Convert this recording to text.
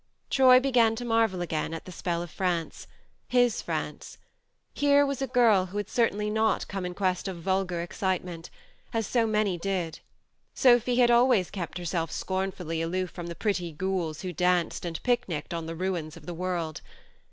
Troy began to marvel again at the spell of France his France ! Here was a girl who had certainly not come in quest of vulgar excitement, as so many did : Sophy had always kept herself scornfully aloof from the pretty ghouls who danced and picnicked on the ruins of the world.